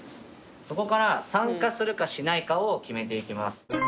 そこから参加するかしないかを決めていきます。